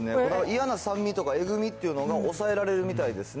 嫌な酸味とかえぐみっていうのが抑えられるみたいですね。